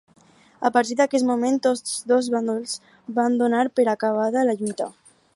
A partir d'aquest moment, tots dos bàndols van donar per acabada la lluita.